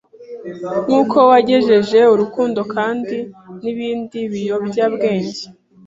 Nkuko wogejeje urukundo kandi nibindi biyobyabwenge